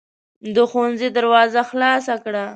د ښوونځي دروازه خلاصه کړه.